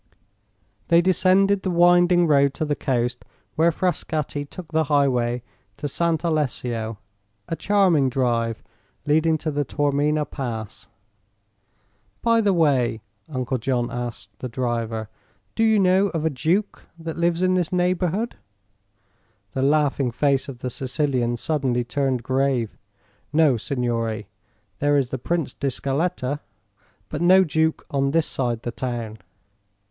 They descended the winding road to the coast, where Frascatti took the highway to Sant' Alessio, a charming drive leading to the Taormina Pass. "By the way," Uncle John asked the driver, "do you know of a duke that lives in this neighborhood?" The laughing face of the Sicilian suddenly turned grave. "No, signore. There is the Prince di Scaletta; but no duke on this side the town."